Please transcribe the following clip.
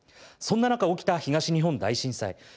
そんな中起きた東日本大震災。